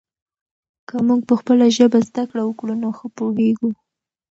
که موږ په خپله ژبه زده کړه وکړو نو ښه پوهېږو.